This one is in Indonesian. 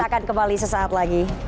akan kembali sesaat lagi